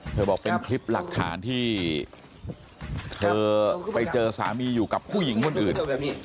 บอกเป็นคลิปหลักฐานที่เธอไปเจอสามีอยู่กับผู้หญิงคนอื่น